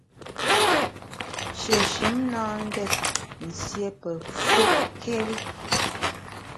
Shéshùm na ngét nsié pe fùtkéri.